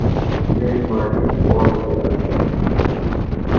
Craig Martin পর্বতে বাস করে।